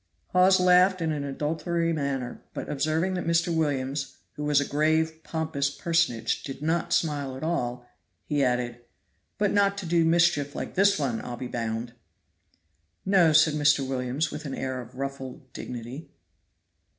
Hawes laughed in an adulatory manner, but observing that Mr. Williams, who was a grave, pompous personage, did not smile at all, he added: "But not to do mischief like this one, I'll be bound." "No," said Mr. Williams, with an air of ruffled dignity.